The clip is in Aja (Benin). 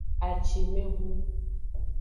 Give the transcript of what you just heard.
Acimevhun.